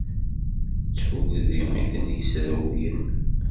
D tuggdi i ten-yesrewlen.